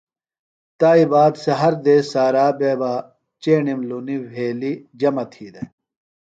تایئ باد سےۡ ہر دیس سارا بےۡ بہ چیݨیم لُنی وھیلیۡ جمع تھی دےۡ۔